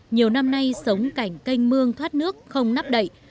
nhiều năm nay sống cảnh canh mương thoát nước không nắp đậy